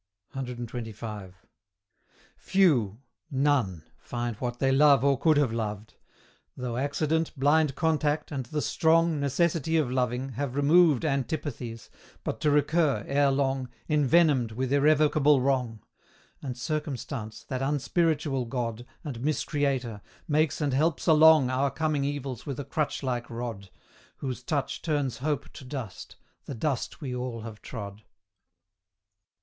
CXXV. Few none find what they love or could have loved: Though accident, blind contact, and the strong Necessity of loving, have removed Antipathies but to recur, ere long, Envenomed with irrevocable wrong; And Circumstance, that unspiritual god And miscreator, makes and helps along Our coming evils with a crutch like rod, Whose touch turns hope to dust the dust we all have trod.